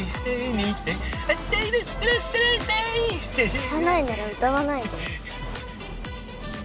知らないなら歌わないで。